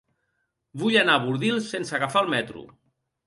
Vull anar a Bordils sense agafar el metro.